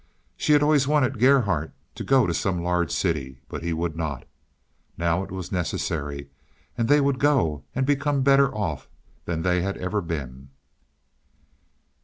She had always wanted Gerhardt to go to some large city, but he would not. Now it was necessary, and they would go and become better off than they ever had been.